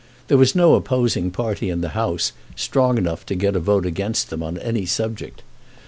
There was no opposing party in the House strong enough to get a vote against them on any subject.